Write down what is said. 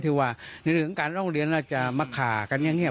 ว่าในเรื่องของการร้องเรียนเราจะมาข่ากันอย่างนี้